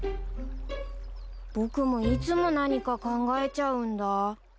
僕もいつも何か考えちゃうんだ。